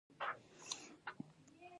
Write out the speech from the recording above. عملیات مو څو کاله مخکې و؟